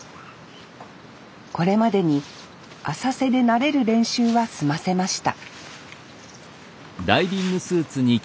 これまでに浅瀬で慣れる練習は済ませました